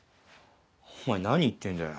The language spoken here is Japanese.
お前何言ってんだよ。